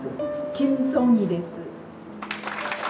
キム・ソンイです。